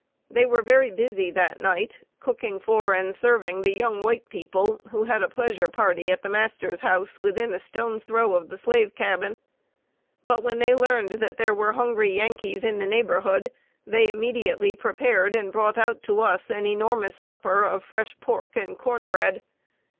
They were very busy that night, cooking for and serving the young white people, who had a pleasure party at the master's house, within a stone's throw of the slave cabin. But when they learned that there were hungry Yankees in the neighborhood, they immediately prepared and brought out to us an enormous supper of fresh pork and corn bread.